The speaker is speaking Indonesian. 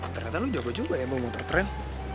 ternyata lo jago juga ya mau ngomong ter trend